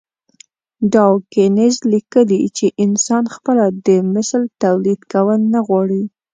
ډاوکېنز ليکلي چې انسان خپله د مثل توليد کول نه غواړي.